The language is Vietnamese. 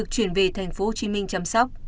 chuyển về tp hcm chăm sóc